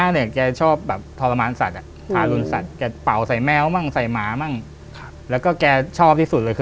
ปกติก็เด็กทั่วไปก็จะเล่นแบบว่า